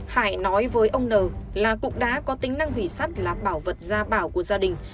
hải nói với ông n là cục đá có tính năng hủy sắt là bảo vật gia bảo của gia đình